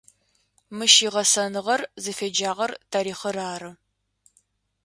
Мыщ игъэсэныгъэр, зыфеджагъэр тарихъыр ары.